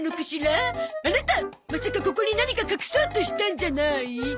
あなたまさかここに何か隠そうとしたんじゃない？